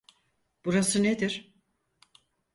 Burası nedir?